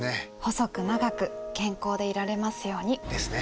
細く長く健康でいられますように。ですね。